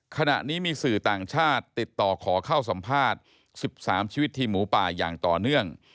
ขณะนี้มีสื่อต่างชาติติดต่อขอเข้าสัมภาษณ์๑๓ชีวิตทีมหมูป่าอย่างต่อเนื่อง